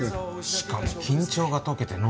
しかも緊張が解けてノ